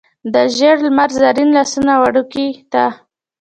د ژړ لمر زرین لاسونه وکړکۍ ته،